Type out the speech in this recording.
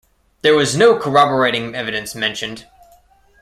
There was no corroborating evidence mentioned.